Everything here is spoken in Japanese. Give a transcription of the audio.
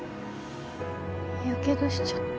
やけどしちゃった。